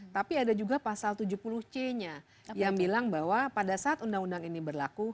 tapi ada juga pasal tujuh puluh c nya yang bilang bahwa pada saat undang undang ini berlaku